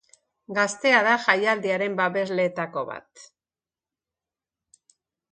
Gaztea da jaialdiaren babesleetako bat.